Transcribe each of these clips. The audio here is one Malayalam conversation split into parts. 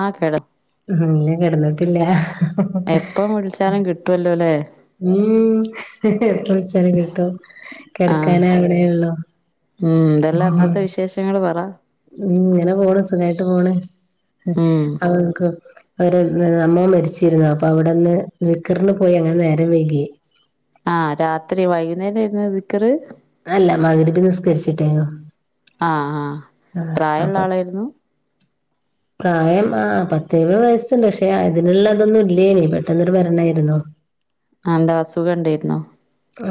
ആഹ് കേട ഉം അല്ല കിടന്നിട്ടില്ല എപ്പം വിളിച്ചാലും കിട്ടുവല്ലോ അല്ലേ ഉം എപ്പ വിളിച്ചാലും കിട്ടും ആഹ് കിടക്കാന അവിടെേള്ളു ഉം ഇതെല്ലാം അന്നത്തെ വിശേഷങ്ങള്ൾ പറ ഉം ഇങ്ങനെ പോണ സുഖായിട്ട് പോണ ഉം അക്ക് അവര അമ്മ മരിച്ചിരുന്നു അപ്പൊ അവിടെന്ന് സിക്കറിന് പോയി അങ്ങനെ നേരം വൈകി ആ രാത്രി വൈകുന്നേരം ആരുന്നു ദ്‌ക്കറ് അല്ല മഹ്റിബ് നിസ്കരിച്ചിട്ടേന് ആ ആ പ്രായള്ള അപ്പൊ ആളായിരുന്നു പ്രായം ആ പത്ത് എഴുപത്തു വയസ്സുണ്ട് പക്ഷെ അതിനുള്ള അതൊന്നും ഇല്ലേന് പെട്ടെന്നൊരു മരണായിരുന്നു ആ എന്താ അസുഖം ഉണ്ടായിരുന്നോ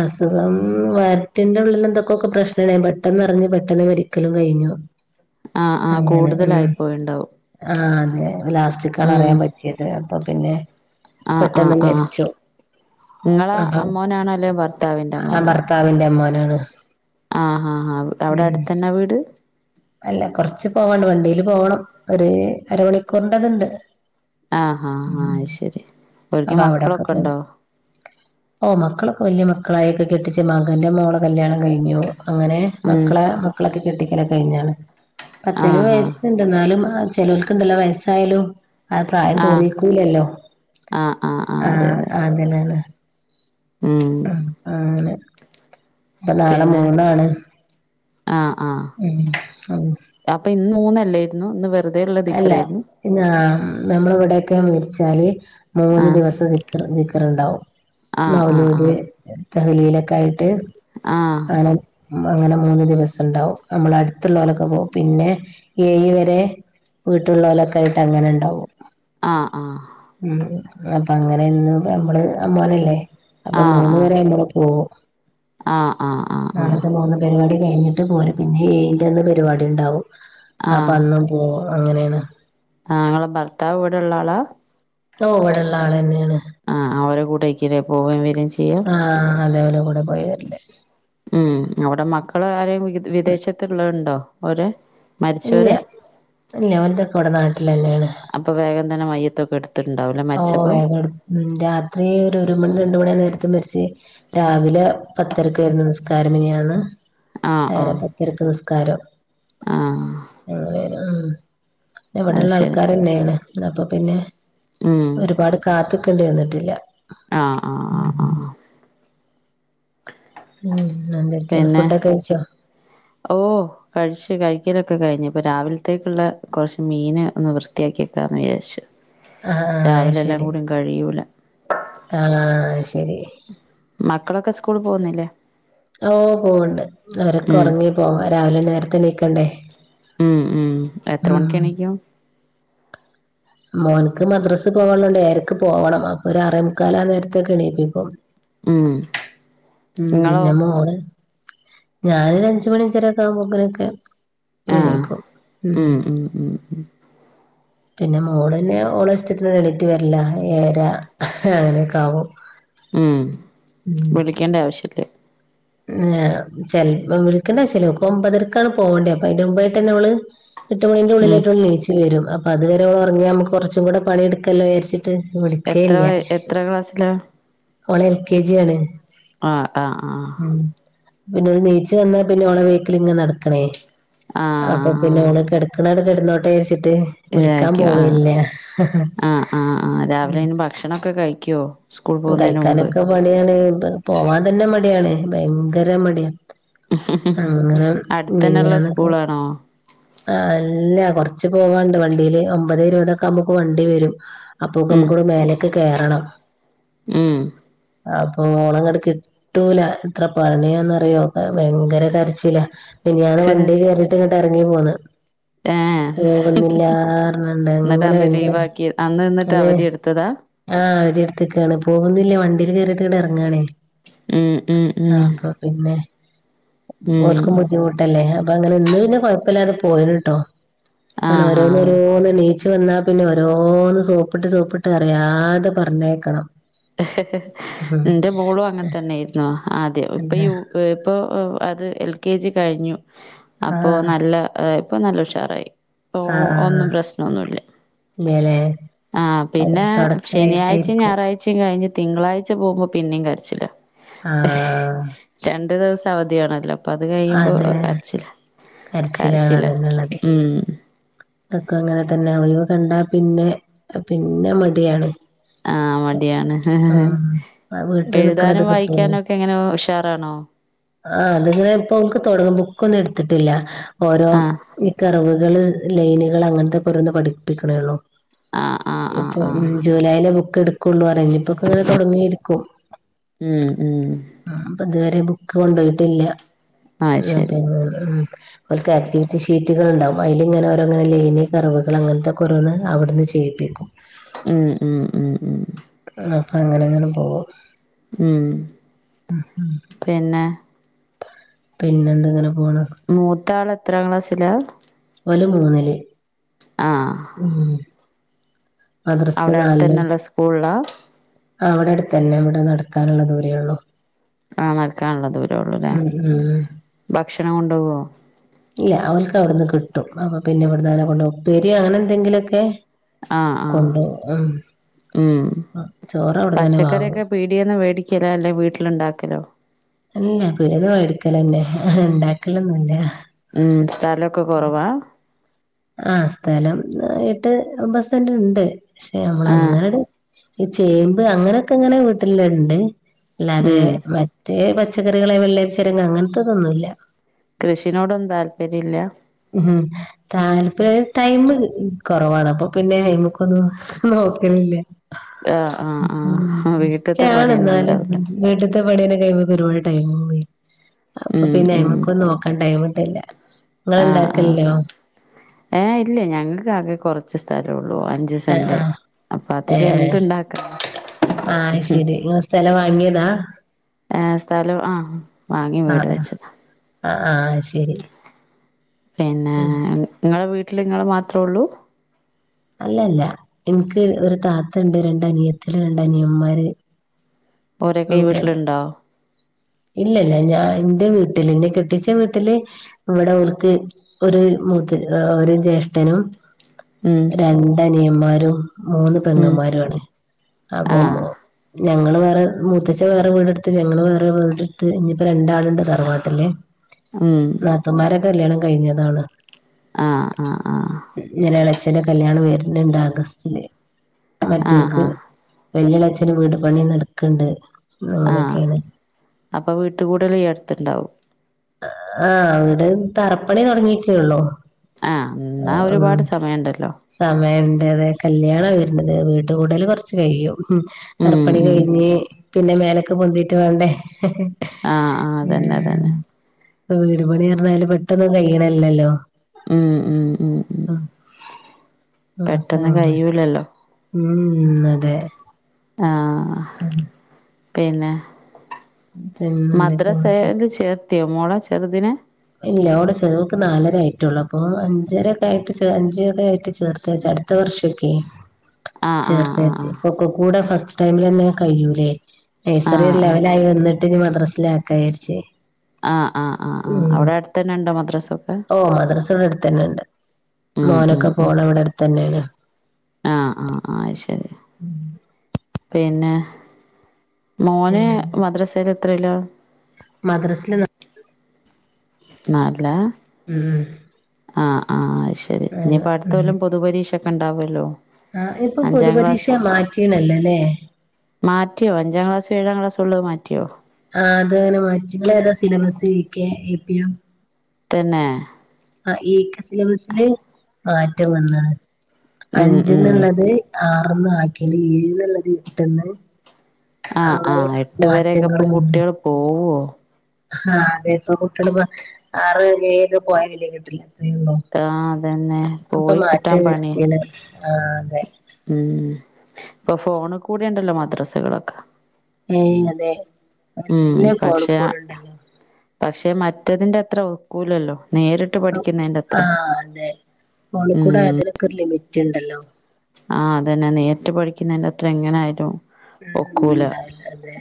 അസുഖം വയറ്റിന്റെ ഉള്ളിൽ എന്തൊക്കെയൊക്കെ പ്രശ്നണേ പെട്ടെന്നറിഞ്ഞ് പെട്ടെന്ന് മരിക്കലും കഴിഞ്ഞു ആഹ് ആഹ് അങ്ങനെ ഉ കൂടുതലായി പോയിണ്ടാവും ആ അതെ ലാസ്റ്റക്കാണ് അറിയാൻ പറ്റിയെ ചെയത് അപ്പൊ പിന്നെ ആഹ ആഹ പെട്ടെന്ന് ആഹ മരിച്ചു നിങ്ങളെ അമ്മോനാണോ അല്ലെ ഭർത്താവിന്റെ അമ്മോനോ ഭർത്താവിൻന്റെ അമോനാണ് ആ ഹാ ഹാ അവിടെ അടുത്ത തന്നെ വീട് അല്ല കൊറച്ച് പോവാണ്ട് വണ്ടിയില് പോകണം ഒരു അരമണിക്കൂറിന്റെതുണ്ട് ആഹഹാ ഉം ആഹ ശരി ഒരിക്കും അപ്പൊ അവിടൊക്കെ മക്കളൊക്കെ ഉണ്ടോ പോണം ഓ മക്കളൊക്കെ വലിയ മക്കളായൊക്കെ കെട്ടിച്ച മകന്റെ മോളെ കല്യാണം കഴിഞ്ഞു അങ്ങനെ ഉം മക്കളെ മക്കളൊക്കെ കെട്ടിക്കല് കഴിഞ്ഞാണ് പത്ത് എഴുപത്തു ആഹ് ആഹ് വയസുണ്ട് എന്നാലും ആ ചെലോല്ക്ക് ഉണ്ടല്ല വയസ്സായാലും അത് പ്രായം തോന്നി ആഹ് ലല്ലോ ആഹ് ആഹ് ആഹ് ആ അതെ അതെ അങ്ങനെയാണ് ഉം അങ്ങനെ ഇപ്പ നാളെ മൂന്നാണ് ആഹ ആഹ ഉം ഉം അപ്പൊ ഇന്ന് മൂന്നല്ലായിരുന്നു ഇന്ന് അല്ല [unintelligible] പിന്നാ നമ്മള ഇവിടെൊക്കെ മരിച്ചാല് മൂന്ന് ആഹ് ദിവസം ദിക്കർ ദിക്കറുണ്ടാവും ആഹ് മൗലൂദ് ആഹ് തഹ്ലീല്ഒക്കെ ആയി ത്തേ ആഹ് ആണോ അങ്ങനെ മൂന്ന് ദിവസം ഉണ്ടാവും നമ്മൾ അടുത്തുള്ള പോലൊക്കെ പോവും പിന്നെ ഏഴു വരെ വീട്ടുള്ളവലൊക്കെ ആയിട്ട് അങ്ങനെ ഉണ്ടാവും ആഹ് ആഹ് ഉ അപ്പൊ അങ്ങനെ എന്നും നമ്മള് അ മോലല്ലേ അപ്പൊ ആഹ് മൂന്ന ആഹ് വരെ നമ്മള് പോവും ആഹ് ആഹ് ആഹ് ആഹ് ആഹ് നാളത്തെ മൂന്ന് പരിപാടി കഴിഞ്ഞിട്ട് പോര് പിന്നെ എഴിന്റന് പരിപാടി ഉണ്ടാാവും ആ അപ്പ അന്നും ഓ അങ്ങനെയാണ് ആ ആളെ ഭർത്താവ് ഇവിടെ ഉള്ള ആളാ ഓ വടെല്ല ആള തന്നെയാണ് ആ അവരെ കൂടെക്ക പോകയും വരയും ചെയ്യാം ആഹ അല്ലവല കൂടെ പോയിവരല്ലേ ഉം അവിടെ മക്കള് ആരും വിദേശത്തുള്ളണ്ടോ ഒര് ഇല്ല ഇല്ലഓല്തൊക്കെ ഇവിടെ നാട്ടിലന്നെയാണ് അപ്പൊ വേഗം തന്നെ മയ്യത്തൊക്കെ എടുത്ത് ണ്ടാവില്ല ഓ രാത്രി ഒരു ഒരു മണി രണ്ട മണിയ നേരത്ത് മരിച്ച് രാവിലെ പത്തരക്കായിര്ന് നിസ്കാരം മെനയാണ് പത്തരക്ക് നിസ്കാരം ആഹ അങ്ങന അത് ഇവിടെള്ള ശരി ആൾക്കാർന്നെയാണ് അപ്പൊ പിന്നെ ഉം ഒരുപാട് കാത്തിക്കണ്ടി വന്നിട്ടില്ല ആഹ ആഹ ആഹ് ആഹ് ഉം എന്തരിക്ക പിന്നെ ഫുഡൊക്കെ കഴിച്ചോ ഓ കഴിച്ച് കഴിക്കലൊക്കെ കഴിഞ്ഞു ഇപ്പൊ രാവിലത്തേക്കുള്ള കുറച്ച് മീൻ ഒന്ന് വൃത്തിയാക്കി വെക്കാം എന്ന് വിചാരിച്ചു ആഹ് ആഹ് അത് രാവിലെ എല്ലാം ശരി കൂടും കഴിയൂല ആഹ് ശരി മക്കളൊക്കെ സ്കൂൾ പോകുന്നില്ലേ ഓ പോവണ്ട് അവരൊക്കെ ഉം ഉറങ്ങി പോവാ രാവിലെ നേരത്തെ എന്നിക്കണ്ടേ മം ഉം എത്ര മണിക് എണീകും മോനക്ക് മദ്രാസ് പോകാനുണ്ട് എരക്ക് പോകണം അപ്പൊ ഒരു ആരെമുക്കല് ആ നേരത്തൊക്കെണപ്പ ഇപ്പോ ഉം ഉം നിങ്ങളോ പിന്നെ മോള് ഞാനൊരു അഞ്ച് മണി അഞ്ച രക്കാകുമ്പോഴ ക്കെ ആ ഉം ഉം ഉം പിന്നെ മോള തന്നെ ഓള ഇഷ്ടത്തിന് എളിറ്റ് വരല്ല ഏയാരാ അങ്ങനെയൊക്കെ ആകും മ വിളിക്കേണ്ട ആവശ്യമില്ലേ ചെ വിളിക്കണ്ട ആവിശ്യമില്ല ഓൾക് ഒമ്പത്തരക്കാണ് പോകേണ്ടത് അപ്പ അതി മുമ്പായിട്ട് തന്നെ അവള് എട്ട് മണിന്റെ ഉം ഉള്ളിലായിട്ടുള്ള നീച്ചിൽ വരും അപ്പൊ അതുവരെ ഉൾ ഉറങ്ങി നുക്ക് കുച്ച കൂടെ പണി എടുക്കലോ വിചാരിച്ചു എത്ര വിളികേല്ല വയ- എത്ര ക്ലാസ്സിലാ ഓള് എൽ കെ ജി ആണ് ആഹ ആഹ ആഹ ഉം പിന്നെ നീചു വന്നാ പിന്നെ ഓള ബേക്കിൽ ഇങ്ങനെ നടക്കണേ അപ്പൊ പിന്നെ ആഹ് അവഓള് കിടക്കണ കിടുന്നോട്ട വിജാ രിച്ചിട്ട് ഇതായിരിക്കും ആഹ ആഹ് ആഹ് ആഹ് രാവിലെ ഇന് ഭക്ഷണൊക്കെ കഴിക്കുവോ സ്കൂൾ പോകുന്നതിന് മുമ്പ് കഴിക്കാനൊക്കെ മണിയാണ് പോവാൻ തന്നെ മടിയാണ് ഭയങ്കര മടിയാണ് അങ്ങനെ അടുത്തന്നെള്ള മിനിയന്നോക്കെ സ്കൂളാണോ ആ അല്ല കൊറച്ച് പോവാണ്ട് വണ്ടിയില് ഒമ്പത് ഇരുപതൊക്കെ നുക്ക് വണ്ടി വരും അപ്പകും ഉം ഇവിടെ മേലേക്ക് കയറണം ഉം അപ്പൊ ഓളെ ഇങ്ങട്ട് കിട്ടൂല ഇത്ര പണിയോന്ന്റിയോക്കെ ഭയങ്കര കരച്ചില്ല മിനിയാന്ന് വണ്ടി കയറിട്ട് ഇങ്ങട്ട് ഇറങ്ങി പോകുന്നത് ആഹ എന്നിട്ട് അങ്ങനെ അന്ന് ഭയങ്കര ലീവാ ആക്കി അന്ന് നിന്നിട്ട് ഒന്ന് അവധി എടുത്തതാ ആഹ് ഒ അടുത്തേക്കാണ് പോകുന്നില്ലേ വണ്ടീൽ കേയറിട്ട് ഇങ്ങട്ട് ഇറങ്ങണേ ഉം ഉം ആ ഉം പിന്നെ ഉം ഓൽക്കും ബുദ്ധിമുട്ടല്ലേ അപ്പൊ അങ്ങനെ ഇന്ന് പിന്നെ കൊഴപ്പല്ലാതെ പോകു പോയിന് ട്ടോ അങ്ങന ഓരോന്ന രോ ആഹ് ച്ച് വന്നാ പിന്നെ ഓരോന്ന് സോപ്പിട്ട് സോപ്പിട്ട് അറിയാതെ പറഞ്ഞയക്കണം. എന്റെ മോളും അങ്ങെ തന്നെ ആയിരുന്നു ആദ്യ എന്താ ഇപ്പൊയു ഇപ്പോൾ അത് എൽ കെ ജി കഴിഞ്ഞു ആ അപ്പോൾ നല്ല അ ഇപ്പൊ നല്ല ഉഷാറായി അപ്പ ആ ആ ഒന്നും പ്രശ്നൊന്നുമി ല്ല ഇല്ലല്ലേ ആഹ അത് പിന്നെ തുടക്കായിട്ടേ ശനിയാഴ്ച ഇരിക്കും ഞായറാഴ്ച ഉച്ചയും കഴിഞ്ഞ് തിങ്കളാഴ്ച പോകുമ്പോ പിന്നെയും കരച്ചിലാ ആഹ് രണ്ടു ദിവസം അവധിയാണല്ലോ അപ്പ അത് കഴിയുമ്പോ അത് കരച്ചില്ല കരച്ചിലാണ് കരച്ചില്ല ഉം അവർക്കും അങ്ങനെ തന്നെ ഒഴിവ് കണ്ടാ പിന്നെ പിന്നെ മടിയാണ്. ആഹ് മടിയാണ് ഉം. ആ വീട്ടിൽ നിക്കണത് എഴുതാനും കിട്ടൂല വായിക്കാനും ഒക്കെ എങ്ങനെ ഉഷാറാണോ? ആ അത്ങ്ങനെ ഇപ്പൊക്ക് തുടങ്ങം ബുക്ക് ഒന്നും എടുത്തിട്ടില്ല ഓരോ ആഹ് ഈ കറവുകള് ലൈനുകൾ അങ്ങനത്തെ ഓരോന്ന് പഠിപ്പിക്കണേള്ളൂ. ആഹ് ആഹ് ആഹ് ഇപ്പൊ ആഹ് ജൂലൈലെ ബുക്ക് എടു [unintelligible] തുടങ്ങിയിരിക്കും. ഉം ഉം അപ്പ ഇതുവരെ ബുക്ക് കൊണ്ട് പോയിട്ടില്ല [unintelligible] അത് ശരി ഓൽക്ക് ആക്ടിവിറ്റി ഷീറ്റുകൾ ഉണ്ടാകും അതില് ഇങ്ങനെ ഓരോ അങ്ങനെ ലേനി കറവുകൾ അങ്ങനത്തെക്ക ഓരോന്ന് അവിടുന്ന് ചെയ്യിപ്പിക്കും. ഉം ഉം ഉം ഉം അപ്പൊ അങ്ങനെ അങ്ങനെ പോകും ഉം പിന്നെ പിന്നെ എന്തങ്ങനെ പോണ് മൂത്ത ആൾ എത്രാം ക്ലാസ്സിലാ ഓള് മൂന്നില് ആഹ് ഉം മദ്രസില് അവിടെ അടു തന്നെള്ള സ്കൂളിലാ ആ അവിടെ അടുത്ത തന്നെ ഇവിടെ നടക്കാനുള്ള ദൂരേള്ളു ആഹ് നടകാനുള്ളത് ദൂരേ ഉള്ളൂ അല്ലേ ഉം ഉം ഭക്ഷണം കൊണ്ട് പോകുവോ ഇല്ല അവൾക്ക് അവിടന്ന് കിട്ടും അപ്പൊ പിന്നെ ഇവിടന്ന് അങ്ങനെ കൊണ്ട് ഉപ്പേരി അങ്ങനെ എന്തെങ്കിലുമൊക്കെ ആഹ് ആഹ് കൊണ്ടോവും ഉം ചോറ് അവിടെ തന്നെ വാങ്ങും പീടിയന്ന് മേടിക്കലോ അല്ലെ വീട്ടിൽ ഉണ്ടാക്കലോ അല്ല പിടിയന്നു മേടി ക്കലന്നെ അ ഉണ്ടാക്കലൊന്നല്ല ഉം സ്ഥലംഒക്കെ കുറവാ ആ സ്ഥലം എട്ട് ഒമ്പത് സെന്റ് ഉണ്ട് പക്ഷെ നമ്മള ആഹ് അങ്ങനട് ഈ ചേമ്പ് അങ്ങനെയൊക്കെ ഇങ്ങനെ വീട്ടില് ണ്ട്. അല്ലാതെ ഉം മറ്റേ പച്ചക്കറികളെ വെള്ളരി ച്ചിരങ്ങ അങ്ങനത്തതൊന്നുല്ല കൃഷിനോടൊന്നും താല്പര്യം ഇല്ല? ഉം താല്പ്പര്യ ടൈം കുറവാണ്. അപ്പൊ പിന്നെ ഐമക്കൊന്ന് നോക്കിന്നുല്ല ആഹ് ആഹ് ആഹ് വീട്ട്ത്തെ പണിയെന്നെ ഇഷ്ടാണെന്നാലും ഇണ്ടാവൂലേ വീട്ടത്തെ പണിയനെ കഴിയ്പ ഒരുപാട് ടൈം പോയി. അപ്പൊ ഉം പിന്നെ ഉം ഐമേക്ക് നോക്കാൻ ടൈംട്ടെ ല്ല ആഹ് ആ ഏ ഇല്ല ഞങ്ങൾക്ക് ആകെ കുറച്ച് സ്ഥലംള്ളൂ അഞ്ച് ആഹ് സെന്റ് ആഹ് അപ്പൊ അതിൽ ഏഹ് എന്ത് ഏഹ് ണ്ടാ ആഹ് ശെരി. ഇങ്ങൾ സ്ഥലം വാങ്ങിയതാ സ്ഥലം ആ വാങ്ങി വീട് ആഹ് ആഹ് വെച്ചതാണ് ആഹ് ആഹ് ശരി പിന്നെ ഉം ഇങ്ങളെ വീട്ടില് ഇങ്ങൾ മാത്രള്ളൂ അല്ലല്ല. എനിക്ക് ഒരു താത്തുണ്ട് രണ്ട് അനിയത്തില് രണ്ട് അനിയന്മാര് ഓരോക്കെ ഈ ഒക്കെ വീട്ടിൽ ണ്ടോ ഇല്ലല്ല ഞാൻ എന്റെ വീട്ടില് ഇന്നെ കെട്ടിച്ച വീട്ടില് ഇവിടെ ഓൽക്ക് ഒരു മൂത്ത് ഒരു ജ്യേഷ്ഠനും ഉം രണ്ടനിയന്മാരും മൂന്ന് ഉം പെങ്ങന്മാരണ് അപ്പൊ ആഹ് മൊ ഞങ്ങളൾ വേറെ മുത്തച്ചൻ വേറെ വീടെടുത്ത് ഞങ്ങൾ വേറെ ടുത്ത് ഇനിയിപ്പോ രണ്ടാളുണ്ട് തറവാട്ടല് ഉം നാത്തൂൻമാരെ കല്യാണം കഴിഞ്ഞതാണ് ആഹ് ആ ആഹ് ആഹ് ഞൊരെള ച്ചന്റെ കല്യാണം വരന്ണ്ട് ആഗസ്റ്റ്‌ ല് ആഹ് മറ്റൊല്ക് ആഹ് വെല്യളഛന് വീട് പണി നടക്ക്‌ണ്ട് ആഹ് അപ്പോൾ വീട്ടകൂടൽ ഈ അടുത്തുണ്ടാവും ആഹ വീട് തറപ്പണി തുടങ്ങിയട്ടെള്ളൂ ആഹ് എന്നാ ഒരുപാട് സമയുണ്ടല്ലോ സമയമണ്ട് അത കല്യാണ വരണത് വീട്ട കൂടൽ കുറച്ച് കഴിയും ഉം ഉം തറപ്പണി ഉം കഴിഞ്ഞ്. പിന്നെ മേലക്കെ പൊന്തിയിട്ട് വേണ്ടേ ആഹ് ആഹ് ആ അതന്നെ അതന്നെ ഇ വീടു പണി റഞ്ഞാല് പെട്ടന്നും കഴണല്ലല്ലോ? ഉം ഉം ഉം പെട്ടെന്ന് കഴൂല്ലല്ലോ ഉം ഉം അതെ ആഹ് ആഹ് ഉം പിന്നെ പിന്നെന്തൊക്കെയാണ് മദ്രസെല് ചേർ ത്തിയോ മോളെ ചെറുദിനെ ഇല്ല അവിടെ ചെറു നാലര ആയിട്ടേള്ളൂ. അപ്പൊ അഞ്ചരയൊക്കെ ആയിട്ട് ചെ അഞ്ചൊക്ക ആയിട്ട് ചേർത്ത് ച [unintelligible] ആഹ് ആഹ് ചേർത്തചാരിച് ഒക്കെ കൂടെ ഫസ്റ്റ് ടൈമിൽ തന്നെ കഴൂലേ നൈസറിയൊന്നു ആഹ് ആഹ് ലെവലായി വന്നിട്ട് ഇ മദ്രാസിലക്കാവിചാരിച്ച്. ആഹ ആ ആ ആ അ അവടെ അടുത്ത തന്നെ ഉണ്ടോ മദ്രാസൊക്കെ ഓ മദ്രാസ് ഇവിടെ അടുത്ത് തന്നെ ഉണ്ട് ഉം ഉം മോനൊക്കെ ഉം പോണ ഇവിടെ അടുത്ത് തന്നെയാണ് ആഹ് ആഹ് ആ ശരി പിന്നെ മോന പിന്നെന്താ മദ്രസയില് എത്രയ്‌ല മദ്രാസൽ നാ നാല് ലാ ഉം ഉം ആഹ ആ ആഹ് ശരി. ആണ് ഇനിപ്പോ അടുത്ത ല്ലം പൊതുപരീക്ഷൊക്കെ ഉണ്ടാവല്ലോ? ആ ഇപ്പൊ പൊതുപരീക്ഷ മാറ്റീണല്ലോല്ലേ മാറ്റിയോ അഞ്ചാം ക്ലാസോ ഏഴാം ക്ലാസ് ഉള്ളത് മാറ്റിയോ ആ ഹ് അത് അങ്ങനെ മറ്റുങ്ങളെ ഏതാ സിലബസ് ഇ കെ എ പി യും തനെ ആഹ് ഈക്ക സിലബസിൽ മാറ്റം വന്നാണ് ഉം അഞ്ച ഉം എന്നുള്ളത് ആറന്ന് ആക്കിയല് ഏഴന്നുള്ളത് എട്ടന്ന് ആഹ് ആഹ് എട്ട് വരൊക്കെ ഇപ്പം കുട്ടികൾ പോവോ ആഹ് അതെപ്പ കൂട്ടടപ്പ ആറ് ഒക്കെ പോയ വല കിട്ടില്ല അത്രേ ഉള്ളൂ ആ അതന്നെ അപ്പൊ പോയി മാറ്റ കിട്ടാൻ പണി വരുത്തില്ല ആഹ് അതെ ഉം ഇപ്പൊ ഫോണ് കൂടെ ഉണ്ടല്ലോ മദ്രസകളൊക്കെ ഏയ് അതെ നല്ല ഫോൺ കൂട് ഉണ്ടല്ലോ പക്ഷെ മറ്റതിന്റെ അത്ര ഒക്കൂലല്ലോ നേരിട്ട് പഠിക്കുന്നതിൻ്റെ അത്ര ആഹ് അതെ മോള കൂടെ ഉം തിനൊക്കെ ഒരു ലിമിറ്റ് ഉണ്ടല്ലോ ആഹ് അതന്നെ നേട്ട പഠിക്കുന്നതിന്റെ അത്ര എങ്ങനെ ആയിരുന്നു ഉം ഉണ്ടാവില്ല അതെ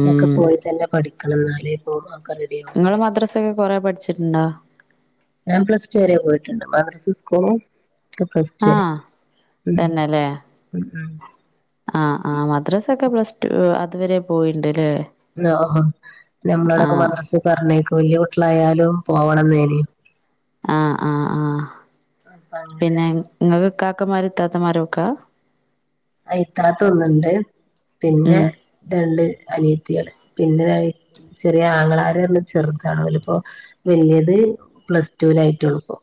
അതൊക്കെ പോയി തന്നെ പഠിക്കും ണം എന്നാലേ പോ റെഡിയ ആകും നിങ്ങൾ മദ്രാസൊക്കെ കുറെ പഠിച്ചിട്ടുണ്ടോ ഞാൻ പ്ലസ് ടു വരെ പോയിട്ടുണ്ട് മദ്രസും ഇസ്ക്കൂളും പ്ളസ്റ്റു വരെ ആഹ് ഉം തന്നെല്ലേ ഉം ആഹ് ആ് മദ്രാസ ഒക്കെ പ്ലസ് ടു അതുവരെ പോയിണ്ട് അല്ലേ ആഹ് ഓഹോ നമ്മളോടൊക്കെ മദ്രസ പറഞ്ഞേക്കോ വലിയ കുട്ടികളായാലും പോവണം തേന് ആഹ് ആഹ് ആഹ് അപ്പൊ അങ്ങനെ പിന്നെ ങ്ങക്ക് കാക്കന്മാരും താത്തന്മാരും ഒക്കെ അയിത്താത്തൊന്നുണ്ട് പിന്നെ ഉം രണ്ട് അനിയത്തികള് പിന്നെ ചെറിയ ആങ്ങളാര് പറഞ്ഞ ചെറുതാണ് പോലപ്പോ വല്യത് പ്ലസ് ലായിട്ട് കൊളപ്പോ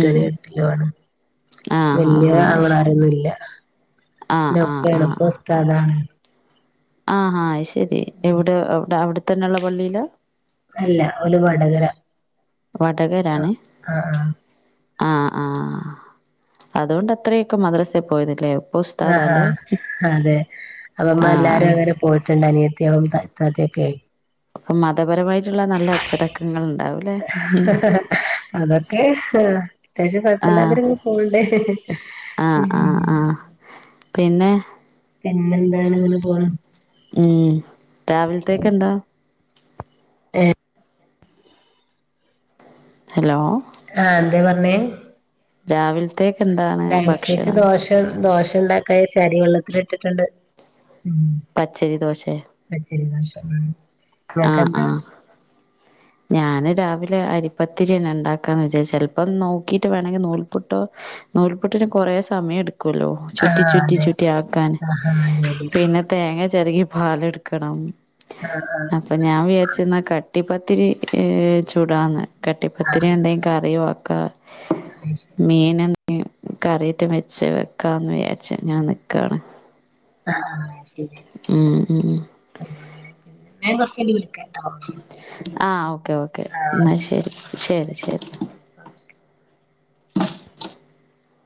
ഉം ആഹ് ആഹ് വല്യ ആഹ് അങ്ങ അയ്ശ ആഹ് ആരൊന്നുംല്ലന്ന ആഹ് ആഹ് ആഹ് ആഹ് ഒപ്പണപ്പസ്താതാണ് ആഹ് ശരി എവിടെടെ അവിടെത്തന്നെുള്ളള്ള പള്ളിയില അല്ല ഒരു വടകര വാടകരാണ് ആഹ് ആഹ് ആഹ് ആഹ് അതുകൊണ്ട് അത്രയൊക്കെ മദ്രസ പോയുന്നില്ലേ ആഹ് ആഹ് അതെ അപ്പമ്മ എല്ലാരും ആഹ് അങ്ങനെ പോയിട്ട മ അനിയത്തിളും ഇത്താതെയും അപ്പൊ മതപരമായിട്ടുള്ള നല്ല അച്ചടക്കങ്ങൾ ഉണ്ടാവൂലേ ഉ അതൊക്കെ അത്യാവശ്യം ആഹ് കുഴപ്പമില്ലാതരും പോണ്ടേ ആഹ് ഉം ആഹ് ആഹ് പിന്നെ പിന്നെന്താണ് ഇങ്ങനെ പോണം ഉം രാവിൽത്തേക്കെന്താ ഏ ഹലോ ആ എന്തേ പർഞ്ഞേ രാവിൽത്തേക്കെന്താണ് ഭക്ഷണം [unintelligible] ദോശണ്ടാക്കായാര്ച്ച് അരി വെള്ളത്തില്ട്ട്ട്ട്ണ്ട്. പച്ചെരി ദോശേ.. പച്ചരി ദോശ ഉം.. ആഹ് നിങ്ങക്കെന്താ ആഹ് ഞാന് രാവിലെ അരിപ്പത്തിര്യന്നെ ണ്ടാക്കാൻ വിജാര്ച്ചെ. ചെൽപ്പം നോക്കിട്ട് വേണെങ്കി നൂൽപുട്ടോ നൂൽപുട്ടിന് കൊറെ സമയട്ക്കൊല്ലോ ചുറ്റി ആഹ് ചുറ്റി അതെ ചുറ്റി ആക്കാന്, ആഹാ അതെ അതെ പിന്നെ തേങ്ങചെരകി പാലെട്ക്കണം ആഹ് ആഹ് പ്പൊ ഞാൻ വിചാരിച്ച്ന്ന കട്ടിപ്പത്തിരി ചുടാന്ന് കട്ടിപ്പത്തിരിം എന്തേം കറിം ആക്ക അയ്ശരി മീന [unintelligible] കറീട്ട് വെച്ച് വെക്കാന്ന് വിചാരിച്ചു ഞാൻ നിക്കാണ് ആ ഉം ഉം [inaudible] ഞാൻ കൊർച്ചയ്ഞ്ട്ട് വിളിക്കട്ടോ ആഹ് ഓക്കെ ഓക്കെ ന്നാ ശരി ശരി ശരി ഓക്കെ